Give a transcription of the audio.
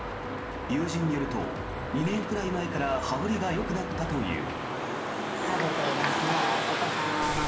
友人によると２年くらい前から羽振りがよくなったという。